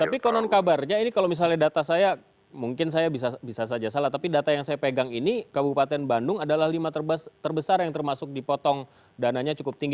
tapi konon kabarnya ini kalau misalnya data saya mungkin saya bisa saja salah tapi data yang saya pegang ini kabupaten bandung adalah lima terbesar yang termasuk dipotong dananya cukup tinggi